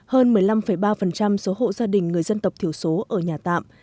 hơn một mươi năm ba số hộ gia đình người dân tộc thiểu số ở nhà tạm